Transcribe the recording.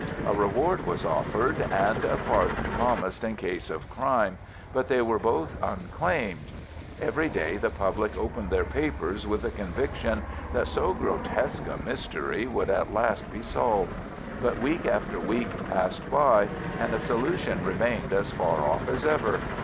A reward was offered and a pardon promised in case of crime, but they were both unclaimed. Every day the public opened their papers with the conviction that so grotesque a mystery would at last be solved, but week after week passed by, and a solution remained as far off as ever.